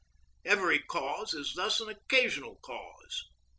Every cause is thus an occasional cause.